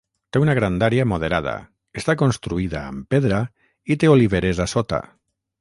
Té una grandària moderada, està construïda amb pedra i té oliveres a sota.